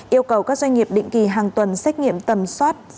yêu cầu các doanh nghiệp định kỳ hàng tuần xét nghiệm tầm soát